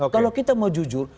kalau kita mau jujur